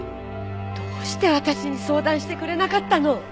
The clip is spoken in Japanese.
どうして私に相談してくれなかったの？